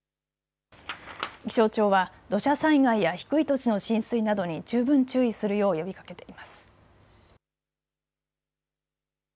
気象庁は土砂災害や低い土地の浸水などに十分注意するよう呼びかけています。